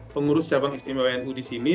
pengurus cabang smwnu di sini